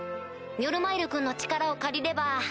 ミョルマイルくんの力を借りれば。